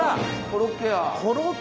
コロッケ！